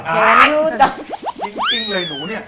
ต้มอยู่ในนั้นอยู่แล้วอะหนู